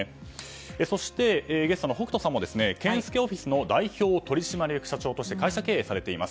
そして、ゲストの北斗さんも健介オフィスの代表取締役社長として会社経営をされています。